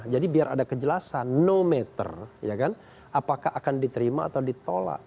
jadi biar ada kejelasan no matter apakah akan diterima atau ditolak